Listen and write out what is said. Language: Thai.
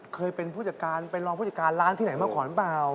เคยเป็นภูเจ้ากามไปรองภูเจ้ากานร้านที่ไหนมาหอมกล่อน